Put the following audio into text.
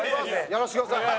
やらせてください。